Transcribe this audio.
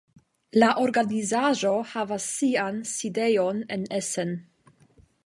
La organizaĵo havas sian sidejon en Essen.